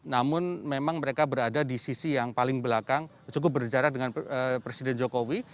namun memang mereka berada di sisi yang paling belakang cukup berjarak dengan presiden jokowi